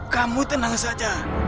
kamu tenang saja